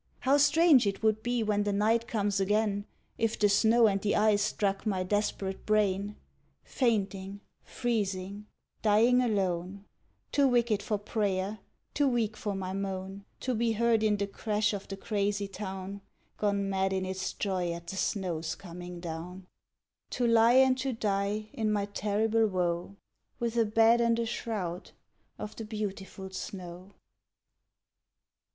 How strange it would be, when the night comes again, If the snow and the ice struck my desperate brain! Fainting, Freezing, Dying alone, Too wicked for prayer, too weak for my moan To be heard in the crash of the crazy town, Gone mad in its joy at the snow's coming down; To lie and to die in my terrible woe, With a bed and a shroud of the beautiful snow!